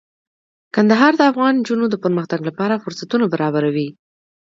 کندهار د افغان نجونو د پرمختګ لپاره فرصتونه برابروي.